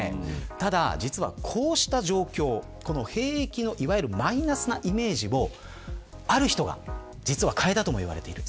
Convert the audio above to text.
ただ実は、こうした状況兵役のマイナスなイメージもある人が実は変えたとも言われている。